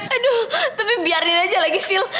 aduh tapi biarin aja lagi sih lo